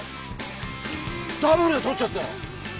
ダブルでとっちゃったよ。